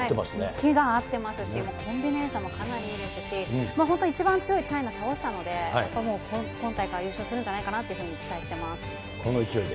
息も合ってますし、もうコンビネーションもかなりいいですし、本当に一番強いチャイナを倒したので、今大会、優勝するんじゃないかなというふうに期この勢いで。